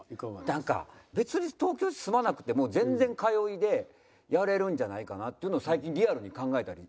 なんか別に東京に住まなくても全然通いでやれるんじゃないかなっていうのを最近リアルに考えたり。